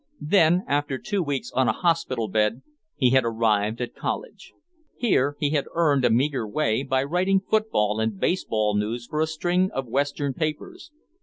Then, after two weeks on a hospital bed, he had arrived at college. Here he had earned a meager way by writing football and baseball news for a string of western papers.